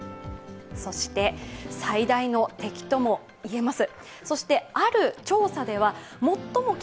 そして、最大の敵ともいえます。